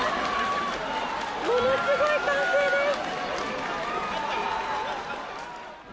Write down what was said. ものすごい歓声です！